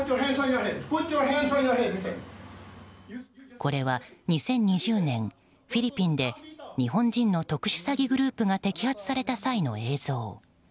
これは２０２０年、フィリピンで日本人の特殊詐欺グループが摘発された際の映像。